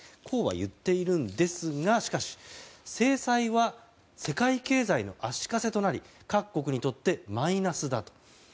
こうは言っているんですがしかし、制裁は世界経済の足かせとなり各国にとってマイナスだと。